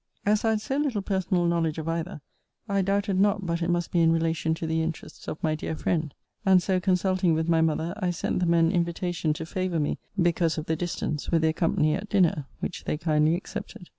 As I had so little personal knowledge of either, I doubted not but it must be in relation to the interests of my dear friend; and so consulting with my mother, I sent them an invitation to favour me (because of the distance) with their company at dinner; which they kindly accepted.